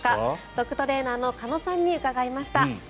ドッグトレーナーの鹿野さんに伺いました。